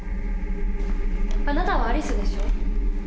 あなたはアリスでしょ？